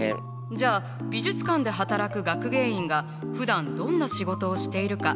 じゃあ美術館で働く学芸員がふだんどんな仕事をしているか知ってる？